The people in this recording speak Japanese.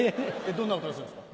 どんな音がするんですか？